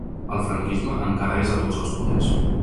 El franquisme encara és a tots els poders.